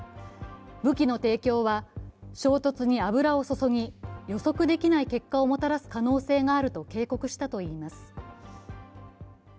武器の提供は、衝突に油を注ぎ、予測できない結果をもたらす可能性があると警告したといいます。